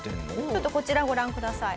ちょっとこちらをご覧ください。